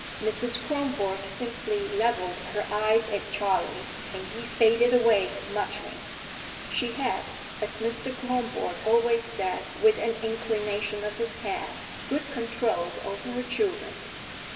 Mrs. Kronborg simply leveled her eyes at Charley, and he faded away, muttering. She had, as Mr. Kronborg always said with an inclination of his head, good control over her children.